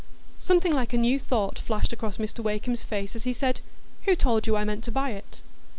Something like a new thought flashed across Mr Wakem's face as he said, "Who told you I meant to buy it?"